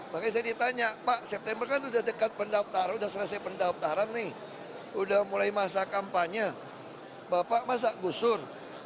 makanya saya ditanya pak september kan udah dekat pendaftaran sudah selesai pendaftaran nih udah mulai masa kampanye bapak masa gusur